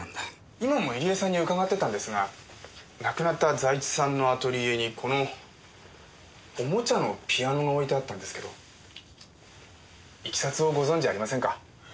今も入江さんに伺ってたんですが亡くなった財津さんのアトリエにこのおもちゃのピアノが置いてあったんですけどいきさつをご存じありませんか？